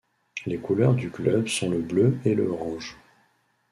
Les couleurs du club sont le bleu et le orange.